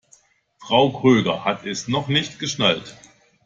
Frau Kröger hat es noch nicht geschnallt.